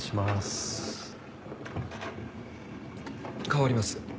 代わります。